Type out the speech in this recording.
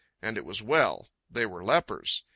And it was well. They were lepers.